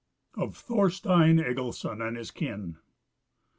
Of Thorstein Egilson and his Kin.